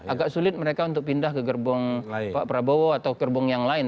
agak sulit mereka untuk pindah ke gerbong pak prabowo atau gerbong yang lain